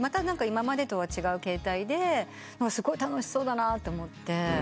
今までとは違う形態ですごい楽しそうだなと思って。